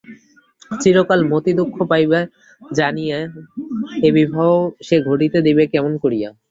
চিরকাল মতি দুঃখ পাইবে জানিয়াও এ বিবাহ সে ঘটিতে দিবে কেমন করিয়া।